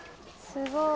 すごい。